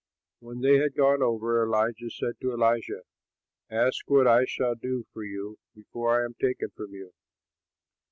When they had gone over, Elijah said to Elisha, "Ask what I shall do for you before I am taken from you."